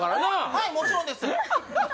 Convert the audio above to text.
はいもちろんです